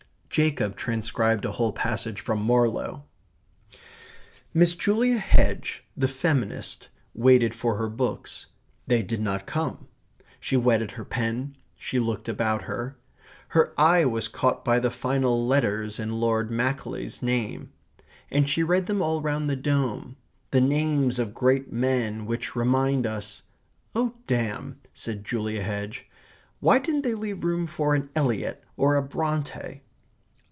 Jacob transcribed a whole passage from Marlowe. Miss Julia Hedge, the feminist, waited for her books. They did not come. She wetted her pen. She looked about her. Her eye was caught by the final letters in Lord Macaulay's name. And she read them all round the dome the names of great men which remind us "Oh damn," said Julia Hedge, "why didn't they leave room for an Eliot or a Bronte?"